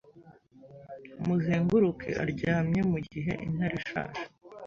Muzenguruke aryamyeMugihe intare ishaje